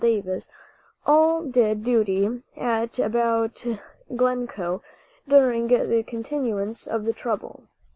Davis), all did duty at and about Glencoe during the continuance of the trouble.